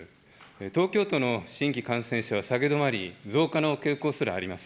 東京都の新規感染者は下げ止まり、増加の傾向すらあります。